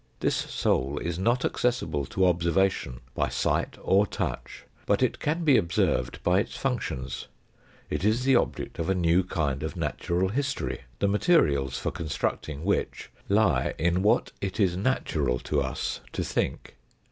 This soul is not acces sible to observation by sight or touch, but it can be observed by its functions ; it is the object of a new kind of natural history, the materials for constructing which lie in what it is natural to us to think.